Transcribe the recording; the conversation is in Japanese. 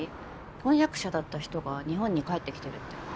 婚約者だった人が日本に帰ってきてるって。